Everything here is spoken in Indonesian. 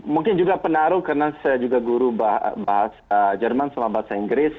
mungkin juga penaruh karena saya juga guru bahasa jerman selama bahasa inggris